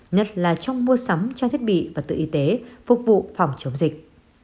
nhất là trong mua sắm trang thiết bị và tự y tế phục vụ phòng chống dịch